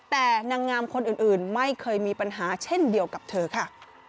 แต่นางงามคนอื่นไม่เคยมีปัญหาเช่นเดียวกับเธอค่ะ